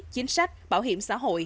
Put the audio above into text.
chính sách bảo hiểm xã hội